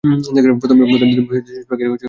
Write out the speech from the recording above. প্রথমেই, তুমি মিশরে যিপোরাহকে বাঁচিয়েছ।